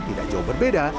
tidak jauh berbeda